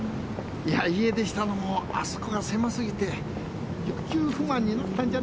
いや家出したのもあそこが狭すぎて欲求不満になったんじゃないでしょうかね。